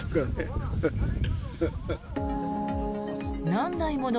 何台もの